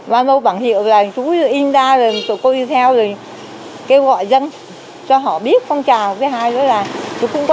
màu bản hiệu là chú in ra rồi cô đi theo rồi kêu gọi dân cho họ biết con chào cái hai đó là chú